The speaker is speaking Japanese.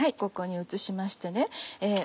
ここに移しましてね